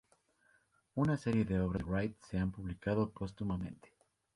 Una serie de obras de Wright se han publicado póstumamente.